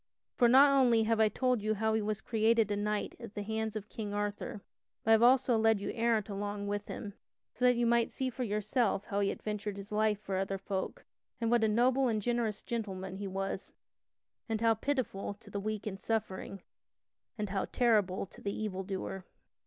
For not only have I told you how he was created a knight at the hands of King Arthur, but I have also led you errant along with him, so that you might see for yourself how he adventured his life for other folk and what a noble and generous gentleman he was; and how pitiful to the weak and suffering, and how terrible to the evil doer.